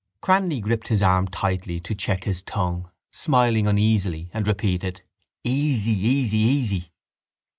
Cranly gripped his arm tightly to check his tongue, smiling uneasily, and repeated: —Easy, easy, easy!